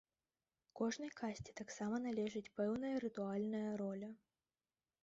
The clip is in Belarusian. Кожнай касце таксама належыць пэўная рытуальная роля.